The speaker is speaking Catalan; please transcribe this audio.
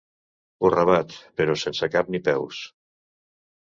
Ho rebat, però sense cap ni peus.